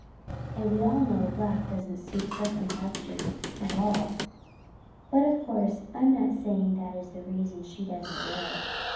"And we all know black doesn't suit her complexion at all. But of course I'm not saying that is the reason she doesn't wear it.